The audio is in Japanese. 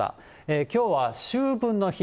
きょうは秋分の日。